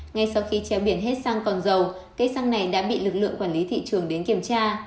ngay sau khi treo biển hết xăng còn dầu cây xăng này đã bị lực lượng quản lý thị trường đến kiểm tra